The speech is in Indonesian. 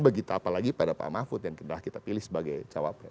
begitu apalagi pada pak mahfud yang kita pilih sebagai cawapres